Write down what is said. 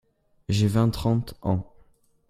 J'ai (vingt, trente…) ans.